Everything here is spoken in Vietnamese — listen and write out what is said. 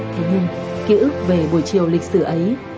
thế nhưng ký ức về buổi chiều lịch sử ấy